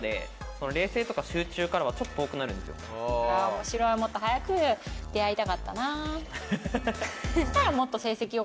面白いもっと早く出会いたかったな。